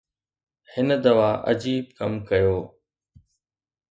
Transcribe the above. هن دوا عجيب ڪم ڪيو